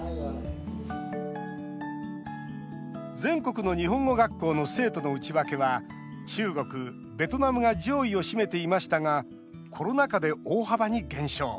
全国の日本語学校の生徒の内訳は中国、ベトナムが上位を占めていましたがコロナ禍で大幅に減少。